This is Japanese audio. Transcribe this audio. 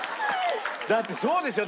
だってそうでしょ。